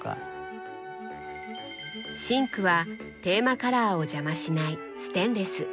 シンクはテーマカラーを邪魔しないステンレス。